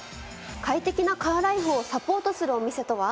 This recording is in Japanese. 快適なカーライフをサポートするお店とは？